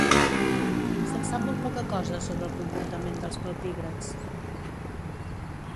Se'n sap molt poca cosa sobre el comportament dels palpígrads.